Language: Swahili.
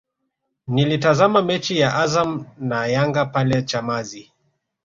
Nilitazama mechi ya Azam na Yanga pale Chamazi